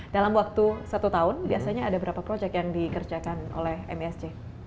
dalam waktu satu tahun biasanya ada berapa proyek yang dikerjakan oleh msc